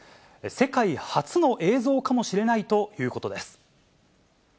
世界初の映像かもしれないということです。